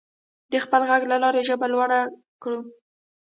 د خپل غږ له لارې ژبه لوړه کړو.